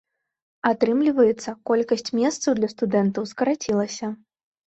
Атрымліваецца, колькасць месцаў для студэнтаў скарацілася.